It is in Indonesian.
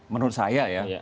menurut saya ya